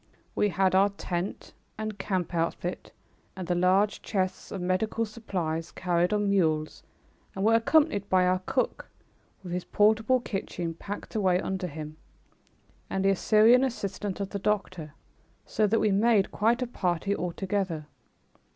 We had our tent and camp outfit and the large chests of medical supplies carried on mules and were accompanied by our cook, with his portable kitchen packed away under him, and the Syrian assistant of the doctor, so that we made quite a party altogether.